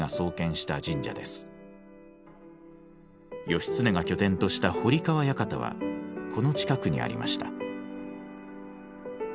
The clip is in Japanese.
義経が拠点とした堀川館はこの近くにありました。